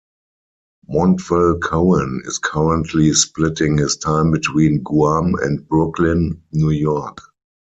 Montvel-Cohen is currently splitting his time between Guam and Brooklyn, New York.